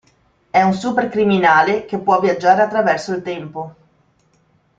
È un supercriminale che può viaggiare attraverso il tempo.